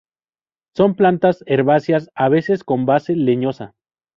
Son plantas herbáceas, a veces, con base leñosa.